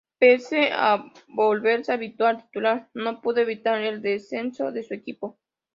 Pese a volverse habitual titular, no pudo evitar el descenso de su equipo.